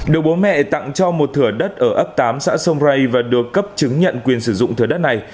được bố mẹ tặng cho một thừa đất ở ấp tám xã sông rây và được cấp chứng nhận quyền sử dụng thừa đất này